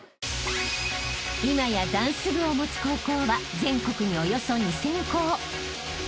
［今やダンス部を持つ高校は全国におよそ２，０００校］